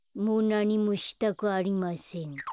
もうなにもしたくありません。